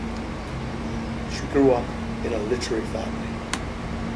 She grew up in a literary family.